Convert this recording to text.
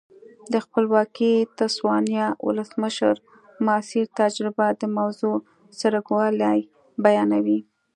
د خپلواکې تسوانا ولسمشر ماسیر تجربه د موضوع څرنګوالی بیانوي.